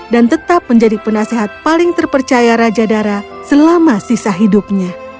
dan tetap menjadi penasehat paling terpercaya raja dara selama sisa hidupnya